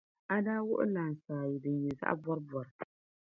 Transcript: o daa wuɣi lans’ ayi din nyɛ zaɣ’ bɔribɔri.